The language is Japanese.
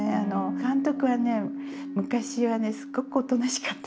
監督はね昔はねすごくおとなしかったんです。